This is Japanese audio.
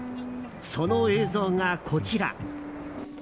その映像がこちら。